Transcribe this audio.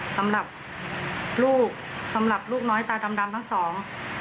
สำหรับลูกสำหรับลูกน้อยตาดำดำทั้งสอง